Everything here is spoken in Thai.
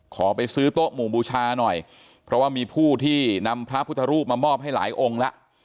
ขอไปซื้อโต๊ะหมู่บูชาหน่อยเพราะว่ามีผู้ที่นำพระพุทธรูปมามอบให้หลายองค์แล้ว